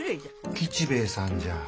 吉兵衛さんじゃ。